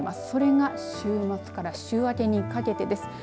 それが週末から週明けにかけてです。